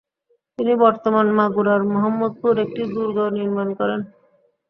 তিনি বর্তমান মাগুরার মহম্মদপুরে একটি দুর্গ নির্মাণ করেন।